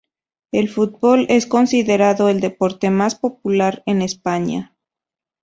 El fútbol es considerado el deporte más popular en España.